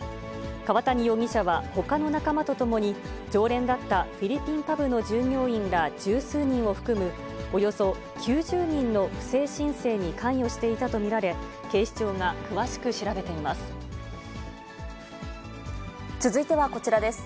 川谷容疑者は、ほかの仲間と共に、常連だったフィリピンパブの従業員ら十数人を含むおよそ９０人の不正申請に関与していたと見られ、警視庁が詳しく調べています。